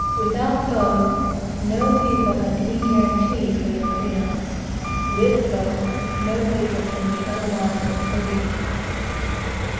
Without both, no people have any guaranty for their freedom; with both, no people can be otherwise than free.